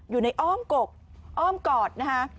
อยู่ในอ้อมกกอ้อมกอดนะคะ